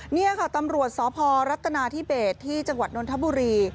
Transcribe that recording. นี่ค่ะตำรวจสพรัฐนาธิเบสที่จังหวัดนนทบุรี